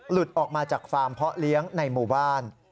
หลุดออกมาจากฟาร์มเพาะเลี้ยงในหมู่บ้าน